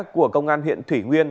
của công an huyện thủy nguyên